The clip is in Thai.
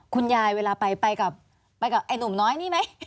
คุณยายเวลาไปกับน้อยนี่ไหม